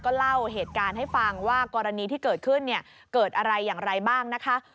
เล่าเหตุการณ์ให้ฟังว่ากรณีที่เกิดขึ้นเนี่ยเกิดอะไรอย่างไรบ้างนะคะ